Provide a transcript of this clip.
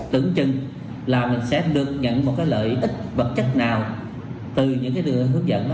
tưởng chừng là mình sẽ được nhận một lợi ích vật chất nào từ những cái hướng dẫn